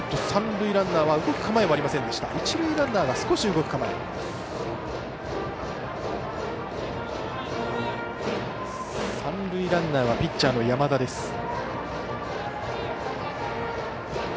三塁ランナーはピッチャーの山田です。